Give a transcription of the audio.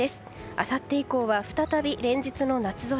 あさって以降は再び連日の夏空。